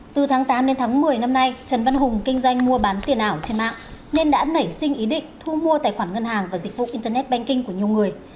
từ tháng tám đến tháng một mươi năm nay trần văn hùng kinh doanh mua bán tiền ảo trên mạng nên đã nảy sinh ý định thu mua tài khoản ngân hàng và dịch vụ internet banking của nhiều người